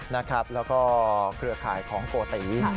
แล้วก็เครือข่ายของโกติ